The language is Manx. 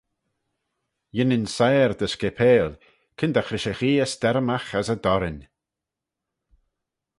Yinnin siyr dy scapail: kyndagh rish y gheay stermagh as y dorrin.